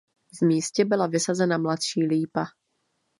V místě byla vysazena mladší lípa.